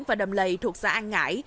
và đầm lầy thuộc xã an ngãi